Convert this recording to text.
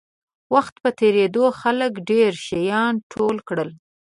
وخت په تېرېدو خلکو ډېر شیان ټول کړل.